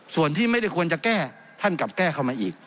ส่วนที่ไม่ได้ควรจะแก้ท่านกลับแก้เข้ามาอีก